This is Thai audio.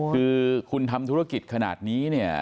คือคุณทำธุรกิจขนาดนี้